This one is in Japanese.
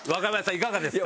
いかがですか？